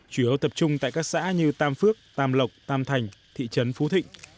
chủ yếu tập trung tại các xã như tam phước tam lộc tam thành thị trấn phú thịnh